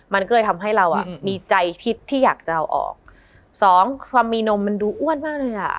มันก็เลยทำให้เราอ่ะมีใจคิดที่อยากจะเอาออกสองความมีนมมันดูอ้วนมากเลยอ่ะ